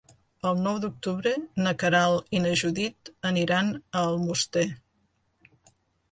El nou d'octubre na Queralt i na Judit aniran a Almoster.